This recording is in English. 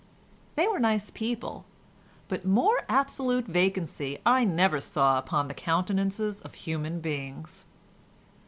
They were nice people, but more absolute vacancy I never saw upon the countenances of human beings.